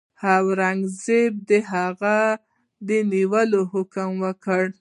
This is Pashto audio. اورنګزېب د هغه د نیولو حکم وکړ.